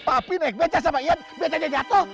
papi naik beca sama ian beca jatuh